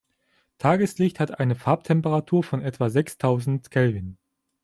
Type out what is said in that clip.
Tageslicht hat eine Farbtemperatur von etwa sechstausend Kelvin.